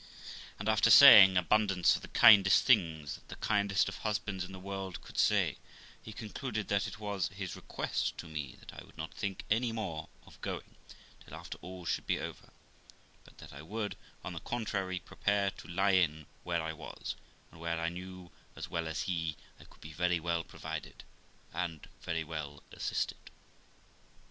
And, after saying abundance of the kindest things that the kindest of husbands in the world could say, he concluded that it was his request to me, that I would not think any more of going THE LIFE OF ROXANA 369 till after all should be over ; but that I would, on the contrary, prepare to lie in where I was, and where I knew, as well as he, I could be very well provided, and very well assisted.